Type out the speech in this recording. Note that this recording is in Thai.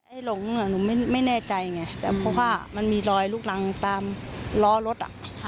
ไอ้หลงหน่อยหนูไม่แน่ใจไงเพราะว่ามันมีรอยลูกรังตามล้อรถ